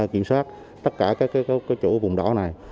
kiểm soát tất cả chỗ vùng đỏ này